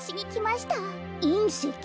いんせき？